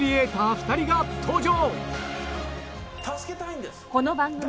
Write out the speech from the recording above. ２人が登場